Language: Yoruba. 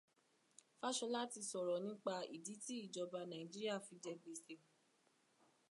Fáshọlá ti sọ̀rọ̀ nípa ìdí tí ìjọba Nàìjíríà fi jẹ gbèsè